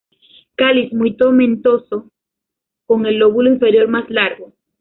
Cáliz muy tomentoso, con el lóbulo inferior más largo.